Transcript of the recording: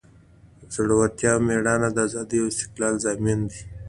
زړورتیا او میړانه د ازادۍ او استقلال ضامن دی.